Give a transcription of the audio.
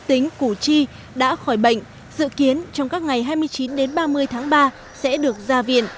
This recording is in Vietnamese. tính củ chi đã khỏi bệnh dự kiến trong các ngày hai mươi chín đến ba mươi tháng ba sẽ được ra viện